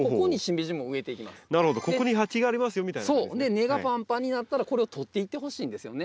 根がパンパンになったらこれを取っていってほしいんですよね。